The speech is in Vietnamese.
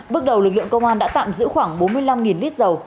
bước đầu lực lượng công an đã tạm giữ khoảng bốn mươi năm lít dầu